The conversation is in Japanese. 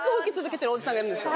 がいるんですよ。